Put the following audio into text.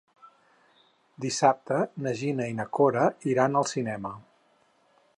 Dissabte na Gina i na Cora iran al cinema.